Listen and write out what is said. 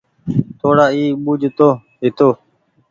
ٿوڙا اي ٻوجه تو هيتو